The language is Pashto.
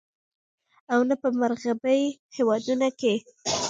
او نۀ په مغربي هېوادونو کښې